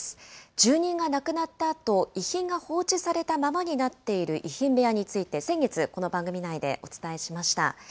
住人が亡くなったあと、遺品が放置されたままになっている遺品部屋について、先月、この番組内でお伝えしました。